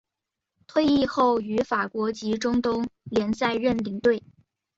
退役后于法国及中东联赛任领队。